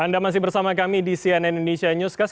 anda masih bersama kami di cnn indonesia newscast